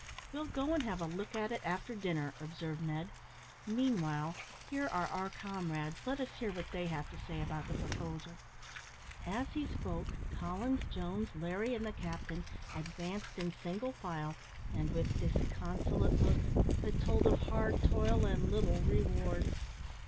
"We'll go and have a look at it after dinner," observed Ned; "meanwhile, here are our comrades, let us hear what they have to say about the proposal." As he spoke, Collins, Jones, Larry, and the captain advanced in single file, and with disconsolate looks, that told of hard toil and little reward.